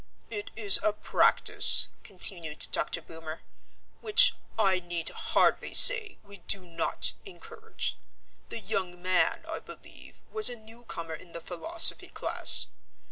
It is a practice," continued Dr. Boomer, "which, I need hardly say, we do not encourage; the young man, I believe, was a newcomer in the philosophy class.